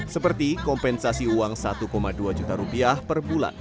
seperti kompensasi uang satu dua juta rupiah per bulan